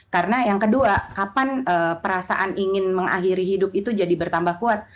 karena yang kedua kapan perasaan ingin mengakhiri hidup itu jadi bertambah kuat